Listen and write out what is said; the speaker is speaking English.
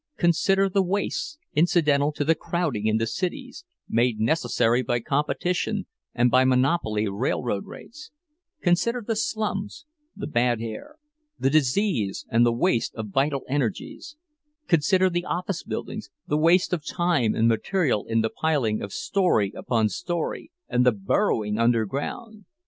Consider the wastes incidental to the crowding into cities, made necessary by competition and by monopoly railroad rates; consider the slums, the bad air, the disease and the waste of vital energies; consider the office buildings, the waste of time and material in the piling of story upon story, and the burrowing underground!